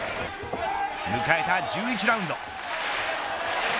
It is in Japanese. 迎えた１１ラウンド。